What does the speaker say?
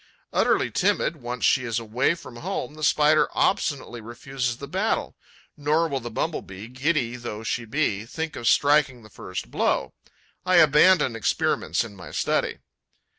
Utterly timid once she is away from home, the Spider obstinately refuses the battle; nor will the Bumble bee, giddy though she be, think of striking the first blow. I abandon experiments in my study.